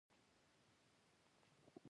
دوی د ځنګل لارې خپلو خوښې ځایونو ته ټاکي